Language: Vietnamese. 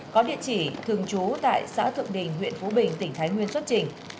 có địa chỉ thường trú tại xã thượng đình huyện phú bình tỉnh thái nguyên xuất trình